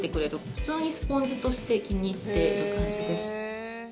普通にスポンジとして気に入っている感じです。